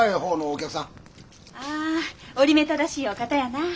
ああ折り目正しいお方やなあ。